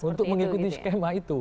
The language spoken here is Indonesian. untuk mengikuti skema itu